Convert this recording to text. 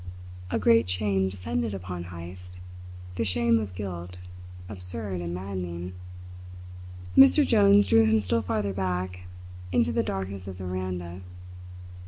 A great shame descended upon Heyst the shame of guilt, absurd and maddening. Mr. Jones drew him still farther back into the darkness of the veranda.